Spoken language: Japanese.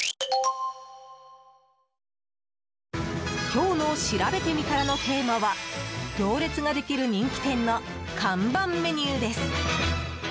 今日のしらべてみたらのテーマは行列ができる人気店の看板メニューです。